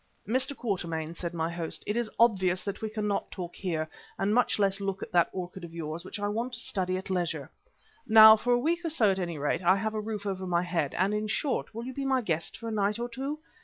"Mr. Quatermain," said my host, "it is obvious that we cannot talk here, and much less look at that orchid of yours, which I want to study at leisure. Now, for a week or so at any rate I have a roof over my head, and in short, will you be my guest for a night or two?